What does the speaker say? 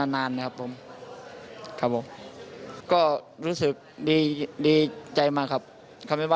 dan saya ingin menangkan keputusan ini selama lamanya